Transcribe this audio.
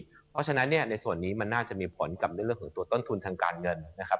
เพราะฉะนั้นเนี่ยในส่วนนี้มันน่าจะมีผลกับในเรื่องของตัวต้นทุนทางการเงินนะครับ